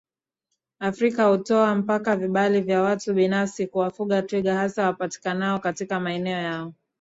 Afrika hutoa mpaka vibali vya watu binafsi kuwafuga twiga hasa wapatikanao katika maeneo yao